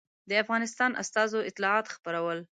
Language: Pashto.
د افغانستان استازو اطلاعات خپرول.